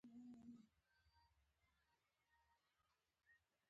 د ګیډې د پړسوب لپاره تور چای او نبات وخورئ